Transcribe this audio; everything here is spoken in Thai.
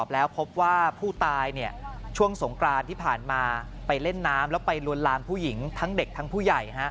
แล้วไปหลวนลามผู้หญิงทั้งเด็กทั้งผู้ใหญ่